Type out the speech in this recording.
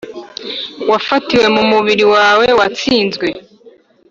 wafatiwe mumubiri wawe watsinzwe